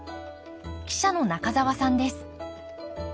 記者の仲澤さんです。